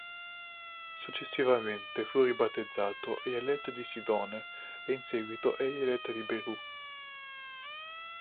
Successivamente fu ribattezzato Eyalet di Sidone e in seguito Eyalet di Beirut.